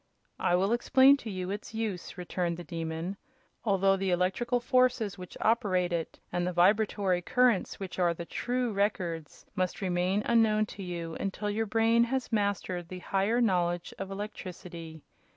"I will explain to you its use," returned the Demon, "although the electrical forces which operate it and the vibratory currents which are the true records must remain unknown to you until your brain has mastered the higher knowledge of electricity.